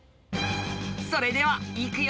それではいくよ！